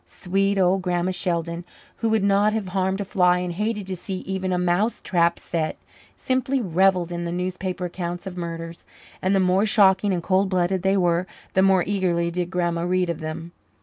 Sweet old Grandma Sheldon, who would not have harmed a fly and hated to see even a mousetrap set, simply revelled in the newspaper accounts of murders. And the more shocking and cold blooded they were, the more eagerly did Grandma read of them.